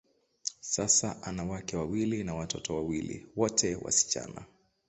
Sasa, ana wake wawili na watoto wawili, wote wasichana.